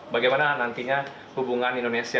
bagaimana nantinya hubungan indonesia